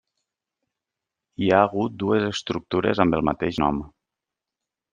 Hi ha hagut dues estructures amb el mateix nom.